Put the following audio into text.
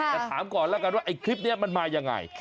แต่ถามก่อนแล้วคลิปนี้มันมายังไง